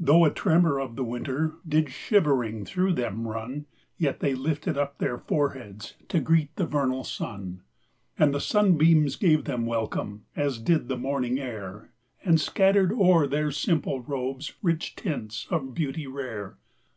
5 Though a tremor of the winter Did shivering through them run; Yet they lifted up their foreheads To greet the vernal sun. And the sunbeams gave them welcome. As did the morning air And scattered o'er their simple robes Rich tints of beauty rare.